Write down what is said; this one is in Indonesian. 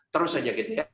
terus saja gitu ya